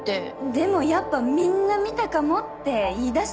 でもやっぱみんな見たかもって言いだしてるかも。